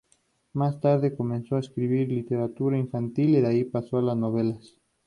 Más tarde comenzó a escribir literatura infantil y de ahí pasó a las novelas.